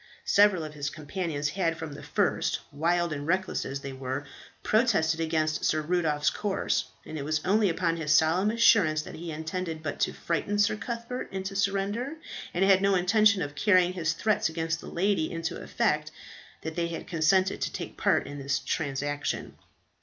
Several of his companions had from the first, wild and reckless as they were, protested against Sir Rudolph's course, and it was only upon his solemn assurance that he intended but to frighten Sir Cuthbert into surrender, and had no intention of carrying his threats against the lady into effect, that they had consented to take part in the transaction.